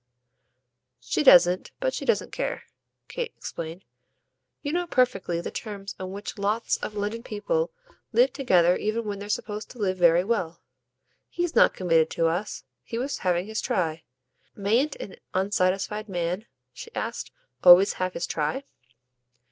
"She doesn't but she doesn't care," Kate explained. "You know perfectly the terms on which lots of London people live together even when they're supposed to live very well. He's not committed to us he was having his try. Mayn't an unsatisfied man," she asked, "always have his try?"